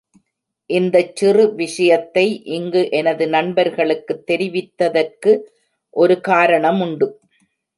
இந்தச் சிறு விஷயத்தை இங்கு எனது நண்பர்களுக்குத் தெரிவித்ததற்கு ஒரு காரணமுண்டு.